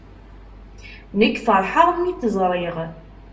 Nekk ferḥeɣ mi t-ẓriɣ.